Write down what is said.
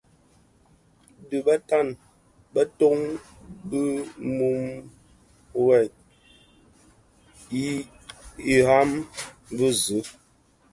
Dhi bëtan beton bi mum a veg i læham bë zi.